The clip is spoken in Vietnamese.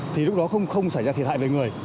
thì lúc đó không xảy ra thiệt hại về người